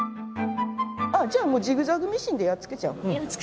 じゃあもうジグザグミシンでやっつけちゃおう。